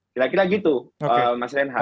kira kira gitu mas reinhard